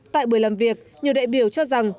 tại buổi làm việc nhiều đại biểu cho rằng